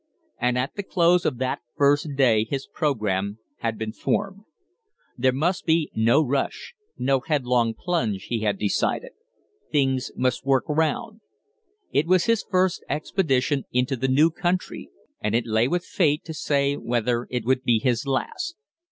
And at the close of that first day his programme bad been formed. There must be no rush, no headlong plunge, he had decided; things must work round. It was his first expedition into the new country, and it lay with fate to say whether it would be his last.